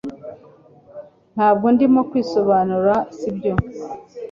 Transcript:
Ntabwo ndimo kwisobanura sibyo